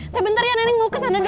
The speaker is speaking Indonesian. teh bentar ya nenek mau ke sana dulu